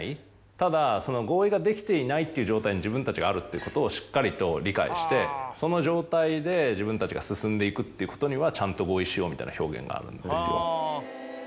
ただその合意ができていないっていう状態に自分たちがあるっていうことをしっかりと理解してその状態で自分たちが進んでいくっていうことにはちゃんと合意しようみたいな表現があるんですよ。